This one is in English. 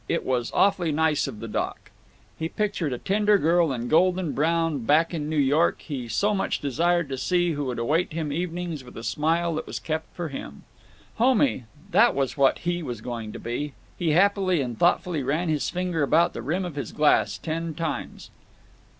It was awfully nice of the Doc." He pictured a tender girl in golden brown back in the New York he so much desired to see who would await him evenings with a smile that was kept for him. Homey—that was what he was going to be! He happily and thoughtfully ran his finger about the rim of his glass ten times.